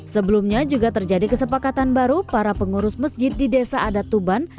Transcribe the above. sebelumnya juga terjadi kesepakatan baru para pengurus masjid di desa adat tuban